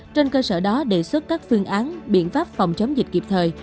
trên cơ sở đó đề xuất các phương án biện pháp phòng chống dịch kịp thời